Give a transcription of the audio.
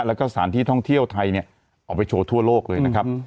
แล้วก็สถานที่ท่องเที่ยวไทยเนี่ยเอาไปโชว์ทั่วโลกเลยนะครับ